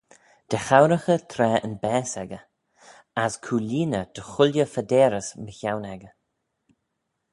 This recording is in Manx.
Dy chowraghey traa yn baase echey; as cooilleeney dy chooilley phadeyrys mychione echey.